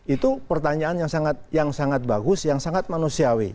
itu pertanyaan yang sangat bagus yang sangat manusiawi